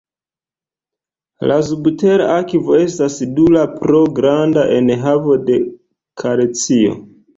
La subtera akvo estas dura pro granda enhavo de kalcio.